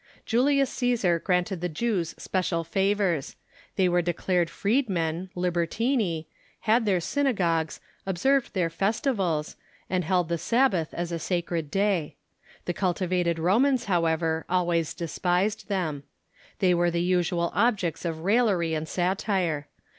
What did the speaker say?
Julius Cfesar granted the Jews special favors. They Avere declared freed men {libertlni), had their synagogues, observed their festivals, and held the Sabbath as a sacred day. The cultivated Ro mans, however, always despised them. They Avere the usual objects of raillery and satire.